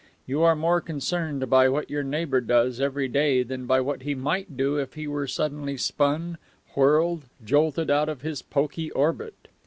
You are more concerned by what your neighbour does every day than by what he might do if he were suddenly spun, whirled, jolted out of his poky orbit.